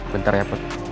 bentar ya pet